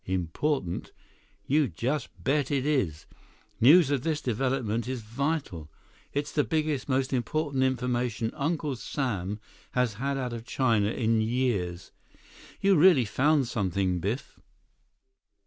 "Important. You just bet it is. News of this development is vital. It's the biggest, most important information Uncle Sam has had out of China in years. You really found something, Biff."